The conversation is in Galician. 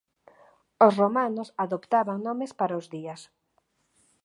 Os romanos adoptaban nomes para os días.